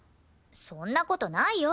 そんな事ないよ。